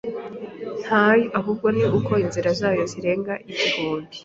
ntayo ahubwo ni uko inzira zayo zirenga igihumbi